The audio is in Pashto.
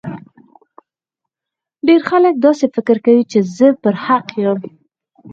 ډیر خلګ داسي فکر کوي چي زه پر حق یم